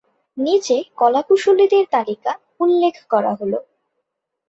নিচে কলাকুশলীদের তালিকা উল্লেখ করা হলো।